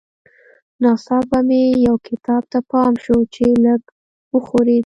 ناڅاپه مې یو کتاب ته پام شو چې لږ وښورېد